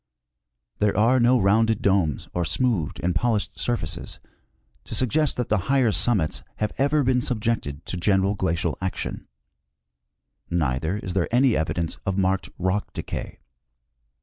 There are no rounded domes or smoothed and polished surfaces to suggest that the higher summits have ever been subjected to general glacial action ; neither is there any evidence of marked rock de cay.